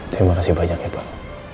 terima kasih banyak ya pak